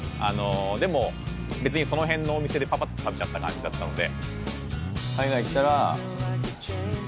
でも別にその辺のお店でパパっと食べちゃった感じだったので。